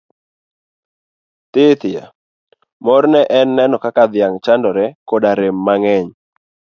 Thithia! Morne en neno ka dhiang' chadore koda rem mang'eny.